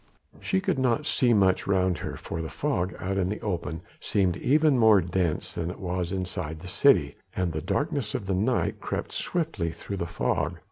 She could not see much round her, for the fog out in the open seemed even more dense than it was inside the city and the darkness of the night crept swiftly through the fog.